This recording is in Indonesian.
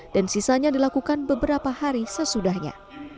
dan sisanya dilakukan beberapa hari sesudahnya